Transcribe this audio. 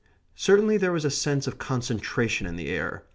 Certainly there was a sense of concentration in the air.